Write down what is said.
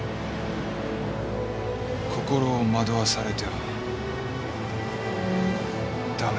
「心を惑わされてはダメ」